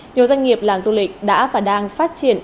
nhiều doanh nghiệp làm du lịch đã và đang phát triển